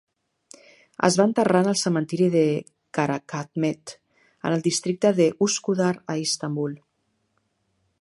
Es va enterrar en el cementiri de Karacaahmet en el districte de Üsküdar a Istanbul.